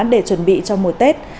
để chuẩn bị cho mùa tết